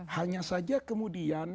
hanya saja kemudian